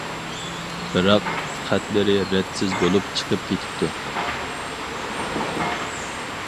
بىراق، خەتلىرى رەتسىز بولۇپ چىقىپ كېتىپتۇ.